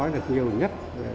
rất nhiều nhất